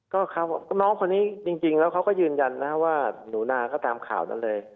ก็น้องคนนี้จริงแล้วเขาก็ยืนยันนะครับว่าหนูนาก็ตามข่าวนั้นเลย